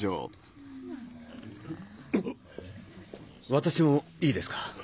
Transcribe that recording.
私もいいですか？